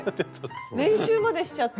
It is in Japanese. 練習までしちゃって。